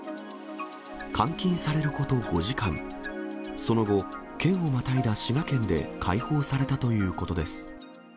監禁されること５時間、その後、県をまたいだ滋賀県で解放されたということです。